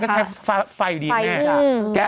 แค่ไฟอยู่ดีแม่นะ